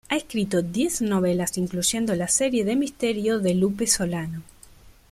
Ha escrito diez novelas incluyendo la serie de misterio de "Lupe Solano".